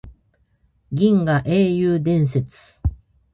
銀河英雄伝説